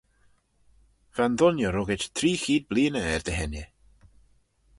Va'n dooinney ruggit tree cheead bleeaney er dy henney.